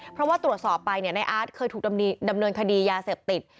เพราะว่าตรวจสอบไปในอาร์ตเคยถูกดำเนินคดียาเสพติด